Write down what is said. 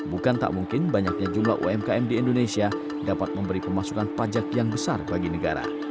bukan tak mungkin banyaknya jumlah umkm di indonesia dapat memberi pemasukan pajak yang besar bagi negara